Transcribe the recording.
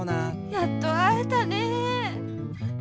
やっとあえたね。